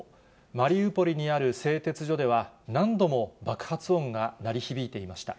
マリウポリにある製鉄所では、何度も爆発音が鳴り響いていました。